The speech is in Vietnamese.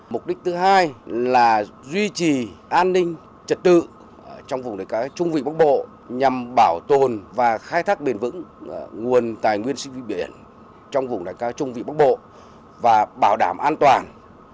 mục đích thứ hai là duy trì an ninh trật tự trong vùng đại ca trung vị bắc bộ nhằm bảo tồn và khai thác bền vững nguồn tài nguyên sinh viên biển trong vùng đại ca trung vị bắc bộ và bảo đảm an toàn